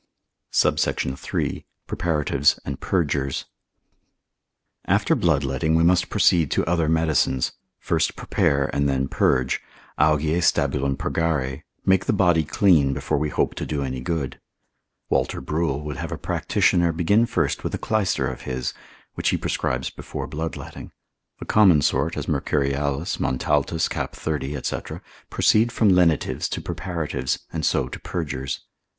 SUBSECT. III.—Preparatives and Purgers. After bloodletting we must proceed to other medicines; first prepare, and then purge, Augeae stabulum purgare, make the body clean before we hope to do any good. Walter Bruel would have a practitioner begin first with a clyster of his, which he prescribes before bloodletting: the common sort, as Mercurialis, Montaltus cap. 30. &c. proceed from lenitives to preparatives, and so to purgers.